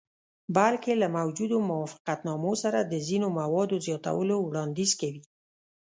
بلکې له موجودو موافقتنامو سره د ځینو موادو زیاتولو وړاندیز کوي.